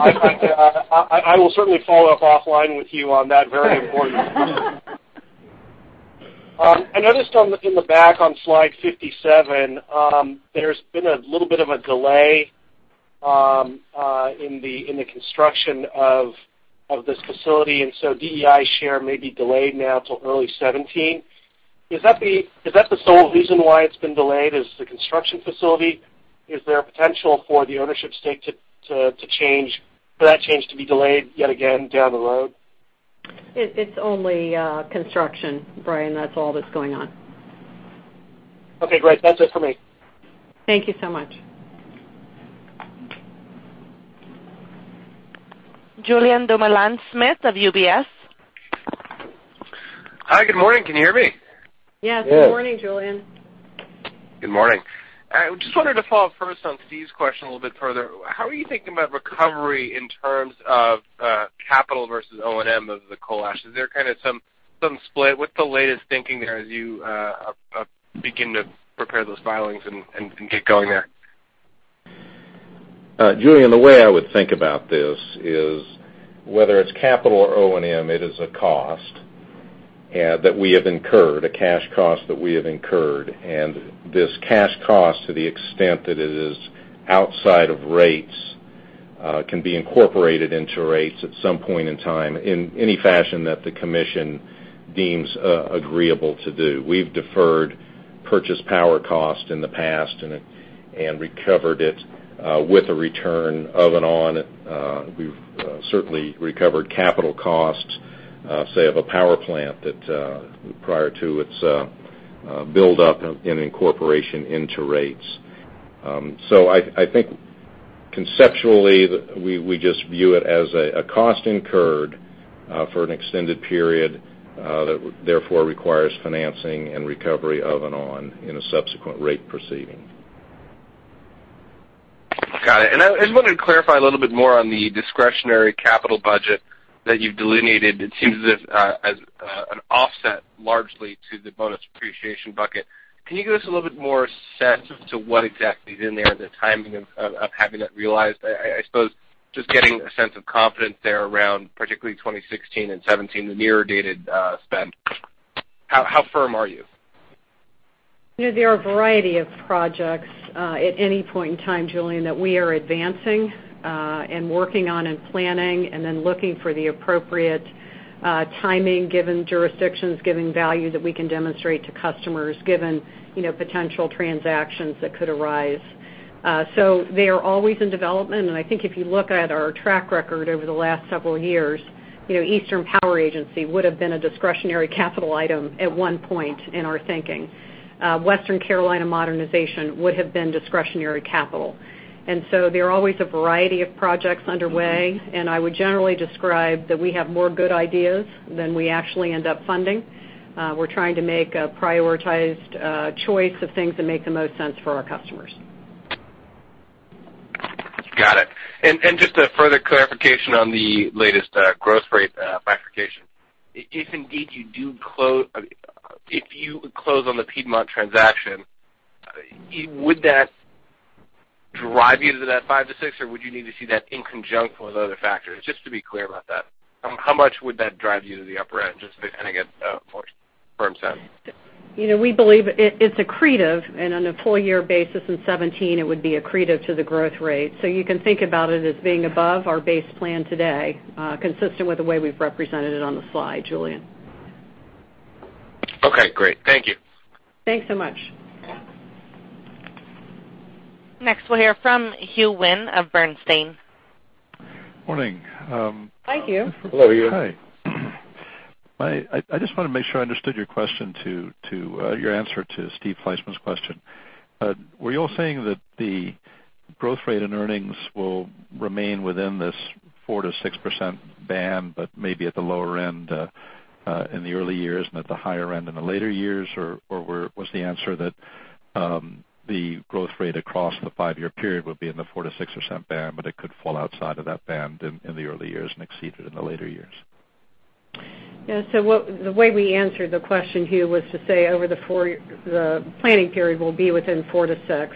I will certainly follow up offline with you on that very important note. I noticed in the back on slide 57, there's been a little bit of a delay in the construction of this facility. DEI share may be delayed now till early 2017. Is that the sole reason why it's been delayed, is the construction facility? Is there a potential for the ownership stake to change, for that change to be delayed yet again down the road? It's only construction, Brian. That's all that's going on. Okay, great. That's it for me. Thank you so much. Julien Dumoulin-Smith of UBS. Hi, good morning. Can you hear me? Yes. Good morning, Julien. Good morning. I just wanted to follow up first on Steve's question a little bit further. How are you thinking about recovery in terms of capital versus O&M of the coal ash? Is there some split? What's the latest thinking there as you begin to prepare those filings and get going there? Julian, the way I would think about this is whether it's capital or O&M, it is a cost that we have incurred, a cash cost that we have incurred, and this cash cost, to the extent that it is outside of rates, can be incorporated into rates at some point in time in any fashion that the commission deems agreeable to do. We've deferred purchase power cost in the past and recovered it with a return of and on. We've certainly recovered capital costs, say, of a power plant that prior to its buildup in incorporation into rates. I think conceptually, we just view it as a cost incurred for an extended period that therefore requires financing and recovery of and on in a subsequent rate proceeding. I just wanted to clarify a little bit more on the discretionary capital budget that you've delineated. It seems as an offset largely to the bonus depreciation bucket. Can you give us a little bit more sense as to what exactly is in there, the timing of having that realized? I suppose just getting a sense of confidence there around particularly 2016 and 2017, the near-dated spend. How firm are you? There are a variety of projects at any point in time, Julien, that we are advancing and working on and planning and then looking for the appropriate timing given jurisdictions, given value that we can demonstrate to customers, given potential transactions that could arise. They are always in development, I think if you look at our track record over the last several years, Eastern Power Agency would've been a discretionary capital item at one point in our thinking. Western Carolinas Modernization would have been discretionary capital. There are always a variety of projects underway, I would generally describe that we have more good ideas than we actually end up funding. We're trying to make a prioritized choice of things that make the most sense for our customers. Got it. Just a further clarification on the latest growth rate clarification. If you close on the Piedmont transaction, would that drive you to that five to six, or would you need to see that in conjunction with other factors? Just to be clear about that. How much would that drive you to the upper end, just to get a more firm sense? We believe it's accretive on a full-year basis in 2017, it would be accretive to the growth rate. You can think about it as being above our base plan today, consistent with the way we've represented it on the slide, Julien. Okay, great. Thank you. Thanks so much. Next, we'll hear from Hugh Wynne of Bernstein. Morning. Hi, Hugh. Hello, Hugh. Hi. I just want to make sure I understood your answer to Steven Fleishman's question. Were you all saying that the growth rate in earnings will remain within this 4%-6% band, but maybe at the lower end in the early years and at the higher end in the later years? Or was the answer that the growth rate across the five-year period would be in the 4%-6% band, but it could fall outside of that band in the early years and exceed it in the later years? The way we answered the question, Hugh, was to say over the planning period will be within 4%-6%.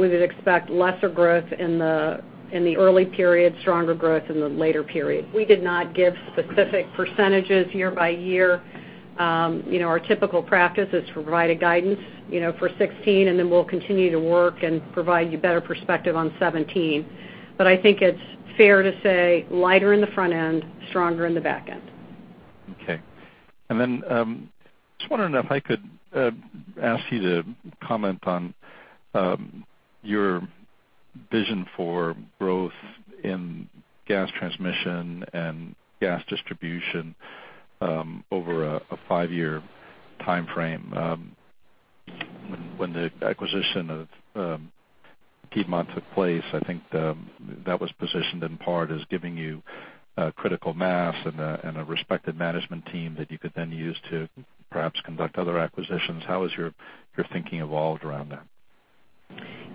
We would expect lesser growth in the early period, stronger growth in the later period. We did not give specific percentages year by year. Our typical practice is to provide a guidance for 2016, and then we'll continue to work and provide you better perspective on 2017. I think it's fair to say lighter in the front end, stronger in the back end. Okay. Just wondering if I could ask you to comment on your vision for growth in gas transmission and gas distribution over a five-year timeframe. When the acquisition of Piedmont took place, I think that was positioned in part as giving you a critical mass and a respected management team that you could then use to perhaps conduct other acquisitions. How has your thinking evolved around that?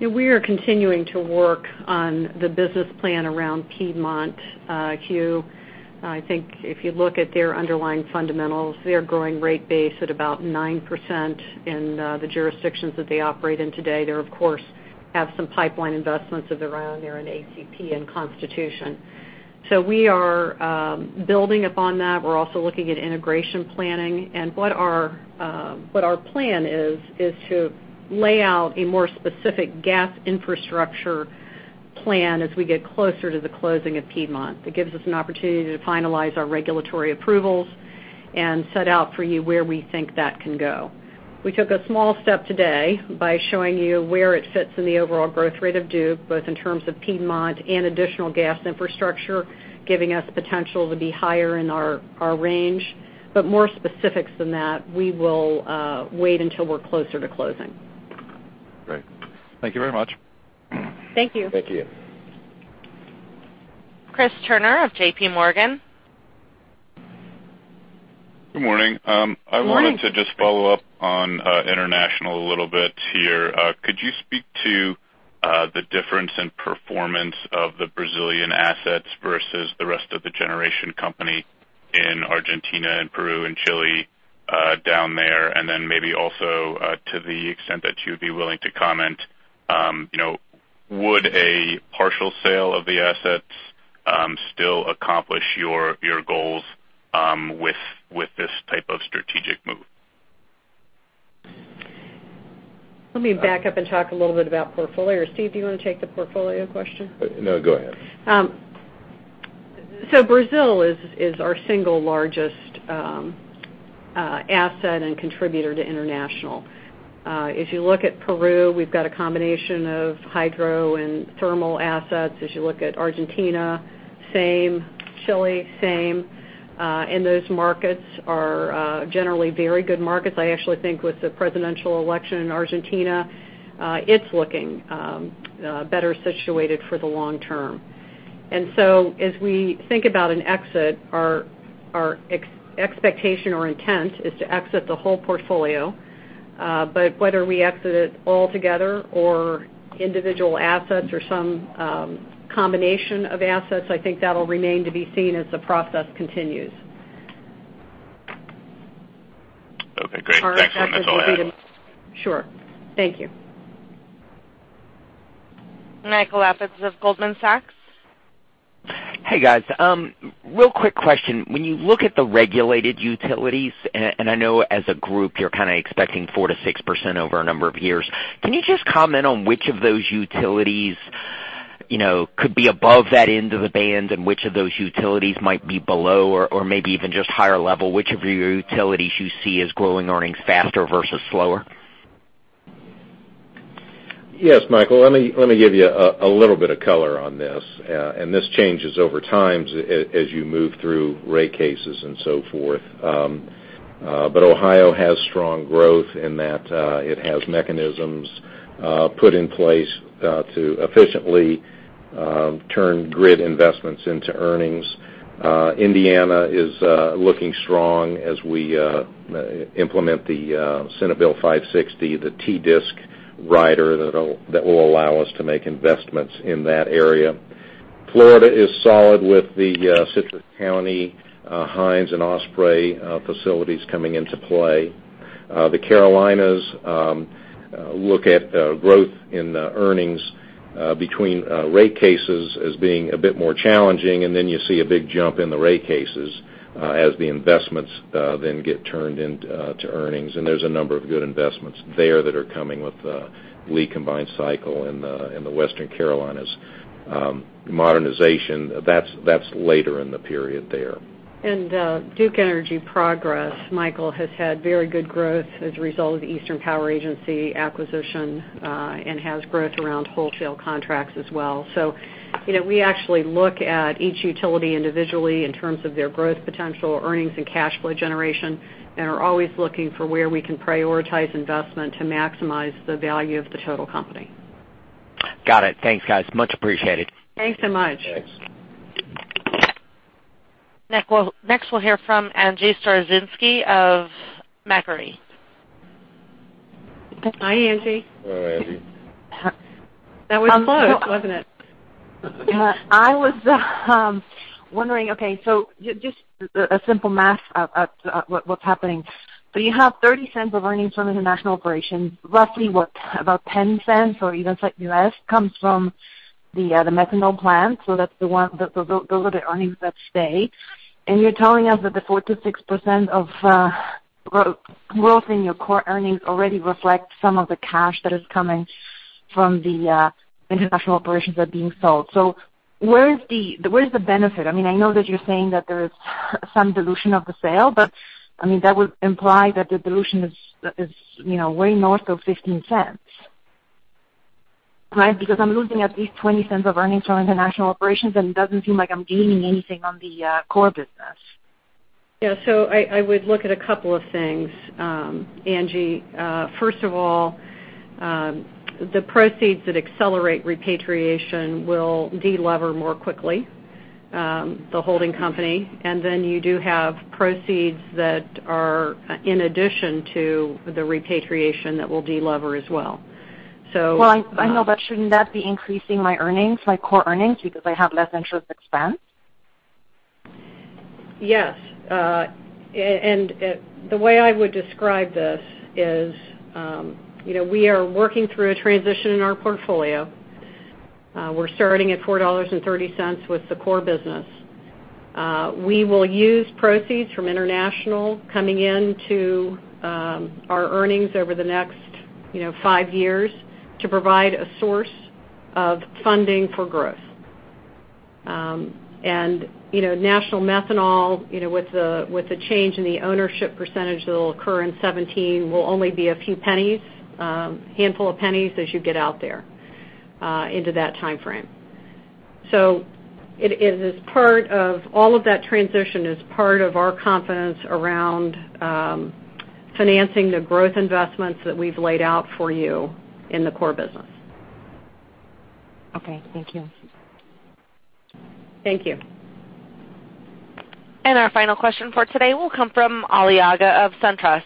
We are continuing to work on the business plan around Piedmont, Hugh. I think if you look at their underlying fundamentals, they're growing rate base at about 9% in the jurisdictions that they operate in today. They, of course, have some pipeline investments of their own there in ACP and Constitution. We are building upon that. We are also looking at integration planning. What our plan is to lay out a more specific gas infrastructure plan as we get closer to the closing of Piedmont. It gives us an opportunity to finalize our regulatory approvals and set out for you where we think that can go. We took a small step today by showing you where it fits in the overall growth rate of Duke, both in terms of Piedmont and additional gas infrastructure, giving us potential to be higher in our range. More specifics than that, we will wait until we're closer to closing. Great. Thank you very much. Thank you. Thank you. Chris Turner of JPMorgan. Good morning. Morning. I wanted to just follow up on international a little bit here. Could you speak to the difference in performance of the Brazilian assets versus the rest of the generation company in Argentina and Peru and Chile down there? Maybe also, to the extent that you'd be willing to comment, would a partial sale of the assets still accomplish your goals with this type of strategic move? Let me back up and talk a little bit about portfolio. Steve, do you want to take the portfolio question? No, go ahead. Brazil is our single largest asset and contributor to international. If you look at Peru, we've got a combination of hydro and thermal assets. As you look at Argentina, same. Chile, same. Those markets are generally very good markets. I actually think with the presidential election in Argentina, it's looking better situated for the long term. As we think about an exit, our expectation or intent is to exit the whole portfolio. Whether we exit it all together or individual assets or some combination of assets, I think that'll remain to be seen as the process continues. Okay, great. That's all I had. Sure. Thank you. Michael Lapides of Goldman Sachs. Hey, guys. Real quick question. When you look at the regulated utilities, I know as a group, you're kind of expecting 4%-6% over a number of years, can you just comment on which of those utilities could be above that end of the band and which of those utilities might be below or maybe even just higher level? Which of your utilities you see as growing earnings faster versus slower? Yes, Michael. Let me give you a little bit of color on this. This changes over time as you move through rate cases and so forth. Ohio has strong growth in that it has mechanisms put in place to efficiently turn grid investments into earnings. Indiana is looking strong as we implement the Senate Bill 560, the TDSIC rider that will allow us to make investments in that area. Florida is solid with the Citrus County, Hines, and Osprey facilities coming into play. The Carolinas look at growth in earnings between rate cases as being a bit more challenging, then you see a big jump in the rate cases as the investments then get turned into earnings. There's a number of good investments there that are coming with W.S. Lee Station in the Western Carolinas Modernization, that's later in the period there. Duke Energy Progress, Michael, has had very good growth as a result of the Eastern Power Agency acquisition and has growth around wholesale contracts as well. We actually look at each utility individually in terms of their growth potential, earnings, and cash flow generation, and are always looking for where we can prioritize investment to maximize the value of the total company. Got it. Thanks, guys. Much appreciated. Thanks so much. Thanks. Next, we'll hear from Angie Storozynski of Macquarie. Hi, Angie. Hello, Angie. That was close, wasn't it? I was wondering, okay, just a simple math of what's happening. You have $0.30 of earnings from international operations. Roughly what? About $0.10, or even less, comes from the methanol plant. Those are the earnings that stay. You're telling us that the 4%-6% of growth in your core earnings already reflects some of the cash that is coming from the international operations that are being sold. Where's the benefit? I know that you're saying that there is some dilution of the sale, but that would imply that the dilution is way north of $0.15. Right? Because I'm losing at least $0.20 of earnings from international operations, and it doesn't seem like I'm gaining anything on the core business. Yeah. I would look at a couple of things, Angie. First of all, the proceeds that accelerate repatriation will de-lever more quickly, the holding company. You do have proceeds that are in addition to the repatriation that will de-lever as well. Well, I know, shouldn't that be increasing my earnings, my core earnings, because I have less interest expense? Yes. The way I would describe this is we are working through a transition in our portfolio. We're starting at $4.30 with the core business. We will use proceeds from international coming into our earnings over the next five years to provide a source of funding for growth. National Methanol, with the change in the ownership percentage that'll occur in 2017, will only be a few pennies, handful of pennies as you get out there into that timeframe. It is part of all of that transition, is part of our confidence around financing the growth investments that we've laid out for you in the core business. Okay, thank you. Thank you. Our final question for today will come from Ali Agha of SunTrust.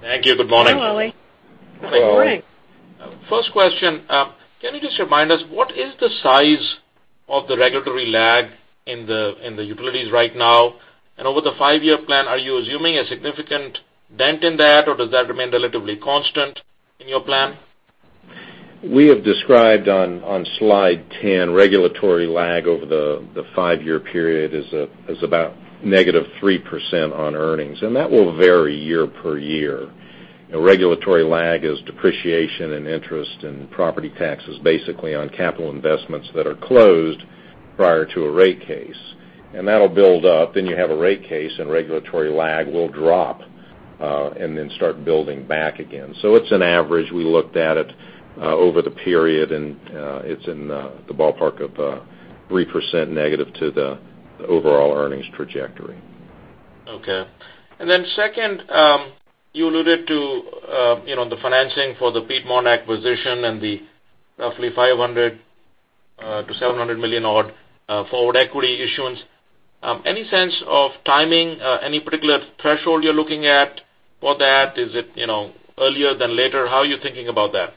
Thank you. Good morning. Hello, Ali. Good morning. First question, can you just remind us, what is the size of the regulatory lag in the utilities right now? Over the five-year plan, are you assuming a significant dent in that, or does that remain relatively constant in your plan? We have described on Slide 10, regulatory lag over the five-year period is about -3% on earnings, and that will vary year per year. Regulatory lag is depreciation in interest and property taxes, basically on capital investments that are closed prior to a rate case. That'll build up, then you have a rate case, and regulatory lag will drop and then start building back again. So it's an average. We looked at it over the period, and it's in the ballpark of -3% to the overall earnings trajectory. Okay. Then second, you alluded to the financing for the Piedmont acquisition and the roughly $500 million-$700 million-odd forward equity issuance. Any sense of timing? Any particular threshold you're looking at for that? Is it earlier than later? How are you thinking about that?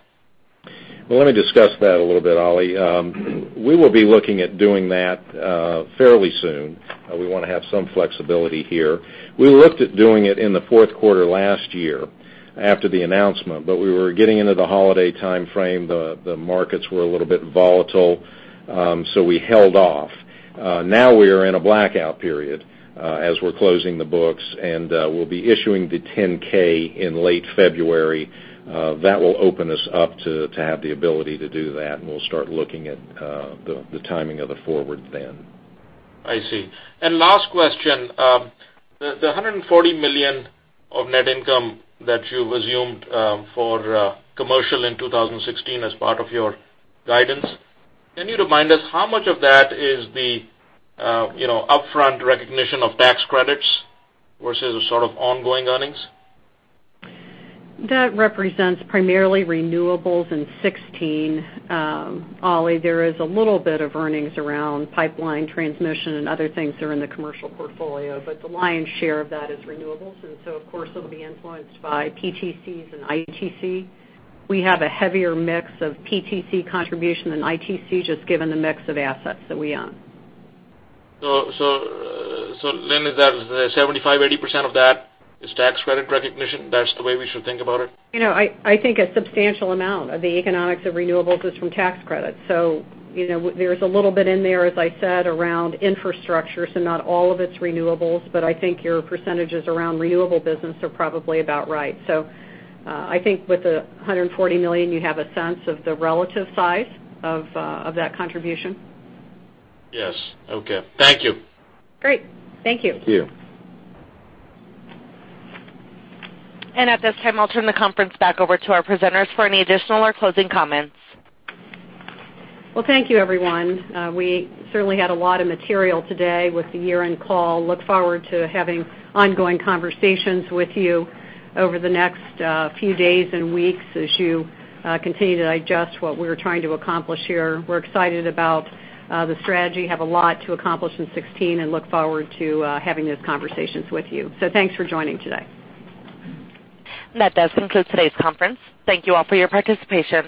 Let me discuss that a little bit, Ali. We will be looking at doing that fairly soon. We want to have some flexibility here. We looked at doing it in the fourth quarter last year after the announcement, but we were getting into the holiday timeframe. The markets were a little bit volatile, so we held off. Now we are in a blackout period as we're closing the books, and we'll be issuing the 10-K in late February. That will open us up to have the ability to do that, and we'll start looking at the timing of the forward then. I see. Last question, the $140 million of net income that you've assumed for commercial in 2016 as part of your guidance, can you remind us how much of that is the upfront recognition of tax credits versus sort of ongoing earnings? That represents primarily renewables in 2016, Ali. There is a little bit of earnings around pipeline transmission and other things that are in the commercial portfolio, but the lion's share of that is renewables. Of course, it'll be influenced by PTCs and ITC. We have a heavier mix of PTC contribution than ITC, just given the mix of assets that we own. Lynn, is that 75%, 80% of that is tax credit recognition? That's the way we should think about it? I think a substantial amount of the economics of renewables is from tax credits. There's a little bit in there, as I said, around infrastructure, so not all of it's renewables, but I think your percentages around renewable business are probably about right. I think with the $140 million, you have a sense of the relative size of that contribution. Yes. Okay. Thank you. Great. Thank you. Thank you. At this time, I'll turn the conference back over to our presenters for any additional or closing comments. Well, thank you, everyone. We certainly had a lot of material today with the year-end call. Look forward to having ongoing conversations with you over the next few days and weeks as you continue to digest what we're trying to accomplish here. We're excited about the strategy, have a lot to accomplish in 2016 and look forward to having those conversations with you. Thanks for joining today. That does conclude today's conference. Thank you all for your participation.